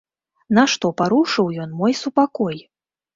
Нашто парушыў ён мой супакой?